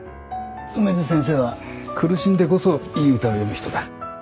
梅津先生は苦しんでこそいい歌を詠む人だ。